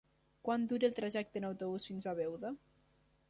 Quant dura el trajecte en autobús fins a Beuda?